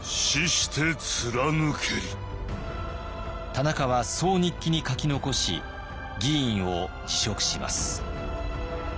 田中はそう日記に書き残し議員を辞職します。